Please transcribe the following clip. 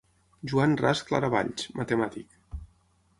Joan Ras Claravalls, matemàtic.